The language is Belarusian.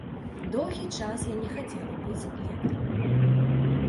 Доўгі час я не хацела быць лекарам.